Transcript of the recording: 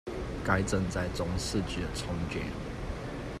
该镇在中世纪重建。